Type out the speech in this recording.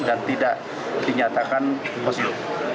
dan tidak dinyatakan positif